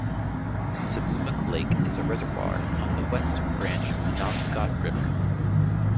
Seboomook Lake is a reservoir on the West Branch Penobscot River.